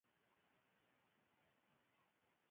لیک د ټولنې د دوام روح شو.